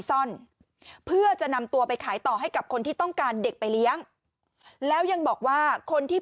ซ่อนเพื่อจะนำตัวไปขายต่อให้กับคนที่ต้องการเด็กไปเลี้ยงแล้วยังบอกว่าคนที่